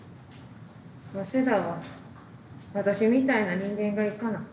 早稲田は私みたいな人間が行かな。